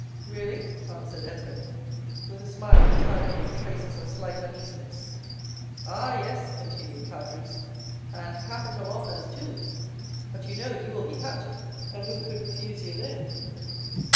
"Really?" answered Edmond, with a smile which had in it traces of slight uneasiness. 0039m "Ah, yes," continued Caderousse, "and capital offers, too; but you know, you will be captain, and who could refuse you then?"